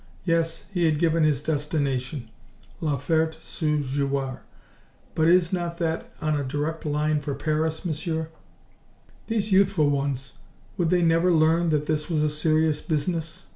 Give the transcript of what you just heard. Yes, he had given his destination La Ferte sous Jouarre, but is not that on a direct line for Paris, Monsieur? These youthful ones, would they never learn that this was a serious business?